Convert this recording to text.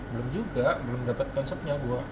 belum juga belum dapet konsepnya gue